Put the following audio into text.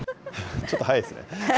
ちょっと早いですね。